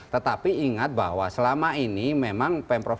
tetapi ingat bahwa selama ini memang pemprov